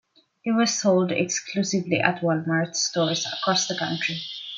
It was sold exclusively at Walmart stores across the country.